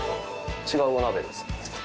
違うお鍋です。